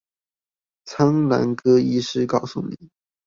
蒼藍鴿醫師告訴你